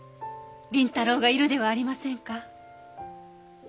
麟太郎がいるではありませんか。